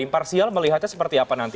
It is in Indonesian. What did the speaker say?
imparsial melihatnya seperti apa nanti